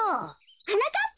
はなかっぱ。